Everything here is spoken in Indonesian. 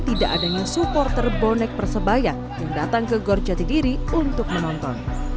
tidak adanya supporter bonek persebaya yang datang ke gor jatidiri untuk menonton